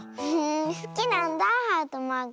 すきなんだハートマーク。